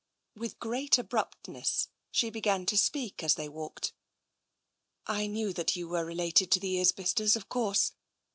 With great abruptness she began to speak as they walked. " I knew that you were related to the Isbisters, of course.